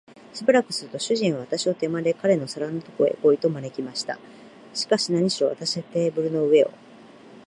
しばらくすると、主人は私を手まねで、彼の皿のところへ来い、と招きました。しかし、なにしろ私はテーブルの上を